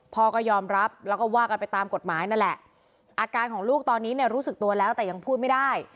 พ่อก็ยอมรับแล้วก็ว่ากันไปตามกฎหมายนั่นแหละอาการของลูกตอนนี้เนี่ยรู้สึกตัวแล้วแต่ยังพูดไม่ได้